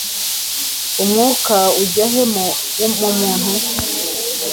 umwuka ujya he mu muntu